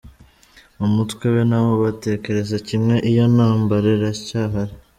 Mu mutwe we n’abo batekereza kimwe iyo ntambara iracyahari.